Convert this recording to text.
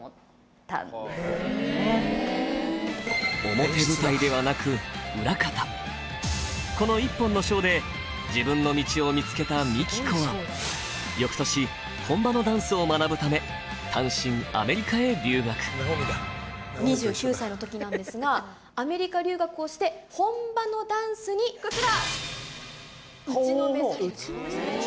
表舞台ではなくこの１本のショーで自分の道を見つけたＭＩＫＩＫＯは翌年２９歳の時なんですがアメリカ留学をして本場のダンスにこちら！